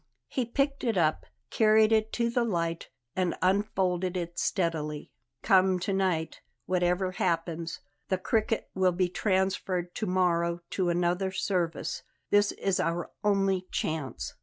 He picked it up, carried it to the light, and unfolded it steadily. "Come to night, whatever happens; the Cricket will be transferred to morrow to another service. This is our only chance."